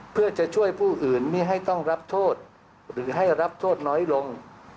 เพื่อจะช่วยผู้อื่นไม่ให้ต้องรับโทษหรือให้รับโทษน้อยลง